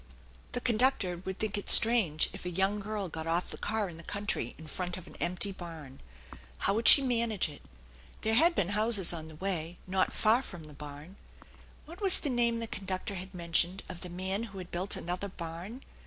The conductor would THE ENCHANTED BARN 19 think it strange if a young girl got off the car in the country in front of an empty barn. How would she manage it ? There had been houses on the way, not far from the barn. What was the name the conductor had mentioned of the man who had built another barn